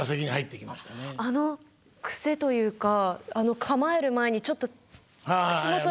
あのクセというかあの構える前にちょっと口元に。